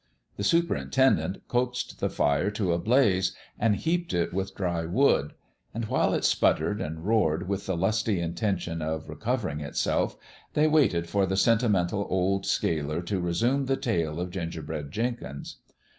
The superintendent coaxed the fire to a blaze and heaped it with dry wood ; and while it sputtered and roared with the lusty intention of recovering itself, they waited for the senti mental old sealer to resume the tale of Ginger bread Jenkins.